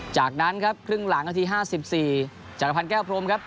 จากนั้นครับครึ่งหลังนาทีห้าสิบสี่จากอภัณฑ์แก้วโพรมครับ